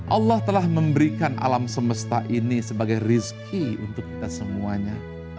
allah telah memberikan alam semesta ini sebagai rizki untuk kita semuanya